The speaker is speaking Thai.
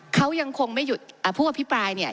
เขายังคงไม่หยุดอ่าพูดว่าพี่ปลายเนี้ย